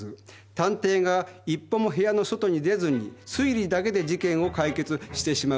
探偵が一歩も部屋の外に出ずに推理だけで事件を解決してしまうこと。